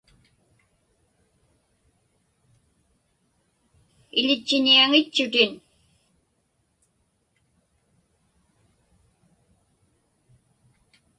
Iḷitchiñiaŋitchutin.